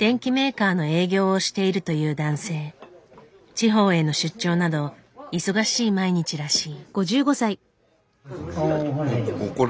地方への出張など忙しい毎日らしい。